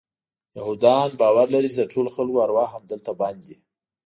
یهودان باور لري چې د ټولو خلکو ارواح همدلته بند دي.